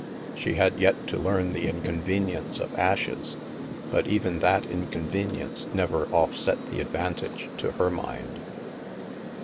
She had yet to learn the inconven ience of ashes; but even that inconvenience never offset the advantage, to her mind.